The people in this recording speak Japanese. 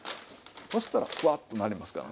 そしたらフワッとなりますからね。